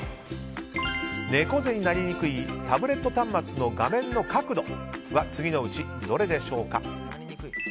猫背になりにくいタブレット端末の画面の角度は次のうちどれでしょうか。